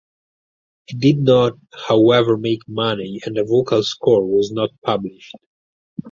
It did not however make money and the vocal score was not published.